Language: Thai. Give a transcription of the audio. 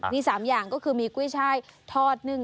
มี๓อย่างก็คือมีกุ้ยช่ายทอดนึ่ง